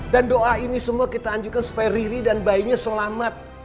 dan doa ini semua kita anjurkan supaya riri dan bayinya selamat